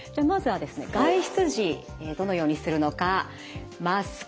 外出時どのようにするのか。